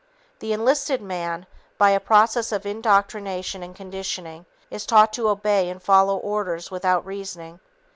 The enlisted man, by a process of indoctrination and conditioning, is taught to obey and follow orders without reasoning.